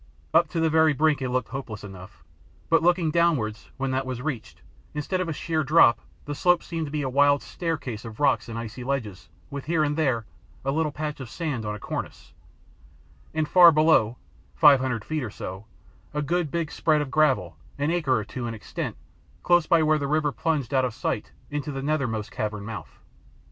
Up to the very brink it looked hopeless enough, but, looking downwards when that was reached, instead of a sheer drop the slope seemed to be a wild "staircase" of rocks and icy ledges with here and there a little patch of sand on a cornice, and far below, five hundred feet or so, a good big spread of gravel an acre or two in extent close by where the river plunged out of sight into the nethermost cavern mouth.